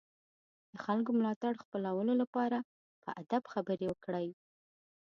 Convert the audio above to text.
د خلکو ملاتړ خپلولو لپاره په ادب خبرې وکړئ.